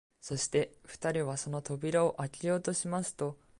そして二人はその扉をあけようとしますと、